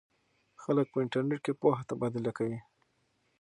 خلک په انټرنیټ کې پوهه تبادله کوي.